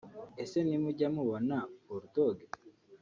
Ese ntimujya mubona Bull Dogg